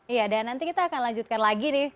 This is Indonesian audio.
iya dan nanti kita akan lanjutkan lagi nih